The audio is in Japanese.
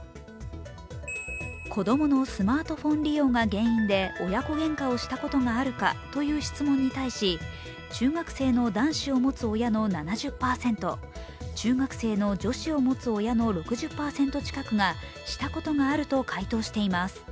子供のスマートフォン利用が原因で親子げんかをしたことがあるかという質問に対し中学生の男子を持つ親の７０％、中学生の女子を持つ親の６０％近くがしたことがあると回答しています。